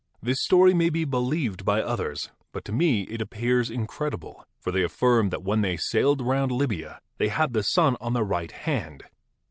This story may be believed by others, but to me it appears incredible, for they affirm that when they sailed round Libya they had the sun on their right hand."